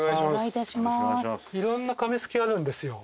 いろんな紙すきあるんですよ。